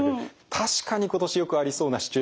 確かに今年よくありそうなシチュエーションですね。